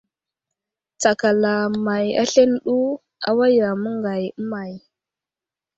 Tsakala may aslane ɗu awayam məŋgay əmay !